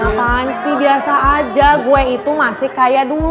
apaan sih biasa aja gue itu masih kaya dulu